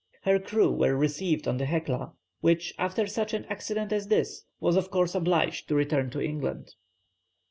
Her crew were received on the Hecla, which, after such an accident as this, was of course obliged to return to England.